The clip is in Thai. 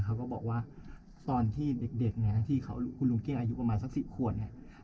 เขาก็บอกว่าซ่อนที่เด็กที่เขาคุณลุงเกี่ยงอายุประมาณสักสิบขวน